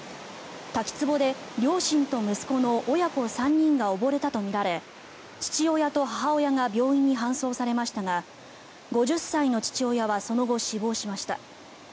滝つぼで両親と息子の親子３人が溺れたとみられ父親と母親が病院に搬送されましたが５０歳の父親はその後、死亡しました。